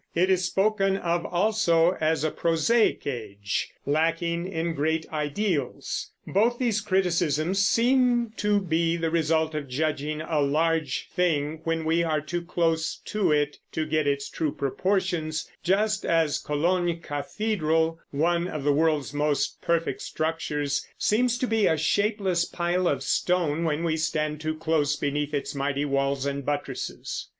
It is spoken of also as a prosaic age, lacking in great ideals. Both these criticisms seem to be the result of judging a large thing when we are too close to it to get its true proportions, just as Cologne Cathedral, one of the world's most perfect structures, seems to be a shapeless pile of stone when we stand too close beneath its mighty walls and buttresses.